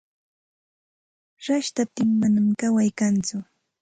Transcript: Rashtaptin manam kaway kantsu.